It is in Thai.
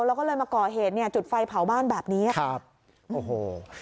แล้วก็เลยมาก่อเหตุเนี่ยจุดไฟเผาบ้านแบบนี้ครับโอ้โห